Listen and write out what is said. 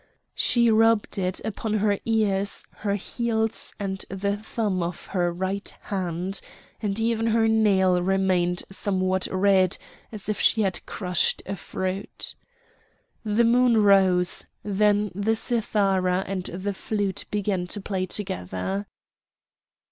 She rubbed it upon her ears, her heels, and the thumb of her right hand, and even her nail remained somewhat red, as if she had crushed a fruit. The moon rose; then the cithara and the flute began to play together.